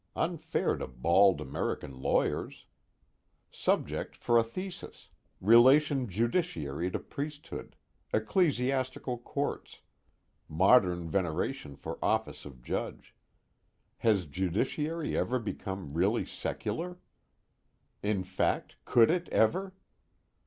unfair to bald American lawyers. Subject for a thesis relation judiciary to priesthood ecclesiastical courts modern veneration for office of judge has judiciary ever become really secular? In fact could it, ever?